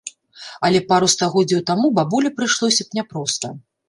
Але пару стагоддзяў таму бабулі прыйшлося б няпроста.